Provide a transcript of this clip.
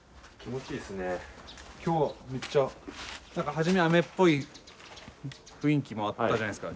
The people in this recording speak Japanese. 初め雨っぽい雰囲気もあったじゃないですか